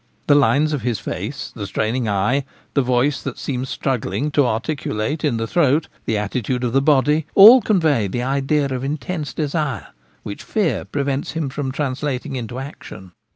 The lines of his face, the straining eye, the voice that seems struggling to articulate in the throat, the attitude of the body, all convey the idea of intense desire which fear prevents him from translating into action.